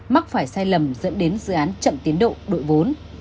mắc phải sai lầm dẫn đến dự án chậm tiến độ đội vốn